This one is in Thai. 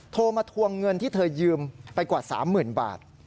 โทรมาทวงเงินที่เธอยืมไปกว่า๓๐๐๐บาท